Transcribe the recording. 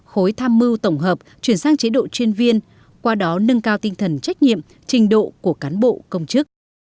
khối tham mưu tổng hợp chuyển sang chế độ chuyên viên qua đó nâng cao tinh thần trách nhiệm trình độ của cán bộ công chức